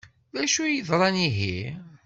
D acu ay yeḍran ihi?